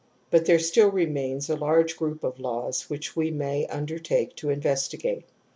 But there still remains a large group of laws which we may undertake to investigate.